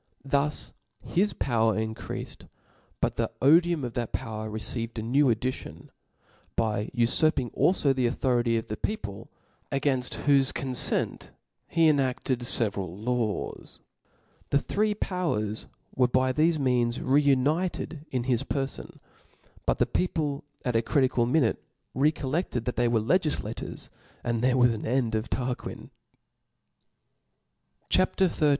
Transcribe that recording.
Thus his power increafed : but the (OP'onyC odijum of that power received a jiew addition, byj>gojt^^"' ufurping alfo the authority of the people, againft whofe confent he enafted feveral laws. The three powers were by thefe means reunited in his perfon •» but the people at a critical minute recollected that they were legiflators^ dod there was an end of Tarquin. CHAP. XIII.